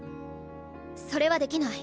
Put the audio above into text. それはできない。